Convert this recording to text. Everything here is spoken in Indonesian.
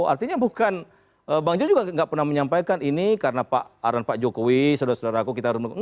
artinya bukan bang jo juga tidak pernah menyampaikan ini karena pak aron pak jokowi saudara saudaraku kita harus mendukung